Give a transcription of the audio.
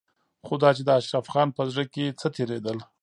خو دا چې د اشرف خان په زړه کې څه تېرېدل.